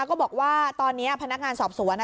ก็บอกว่าตอนนี้พนักงานสอบสวน